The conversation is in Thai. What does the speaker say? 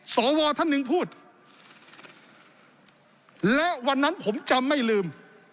สวท่านหนึ่งพูดและวันนั้นผมจำไม่ลืม